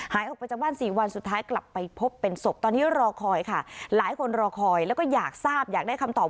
หายออกไปจากบ้าน๔วันสุดท้ายกลับไปพบเป็นสม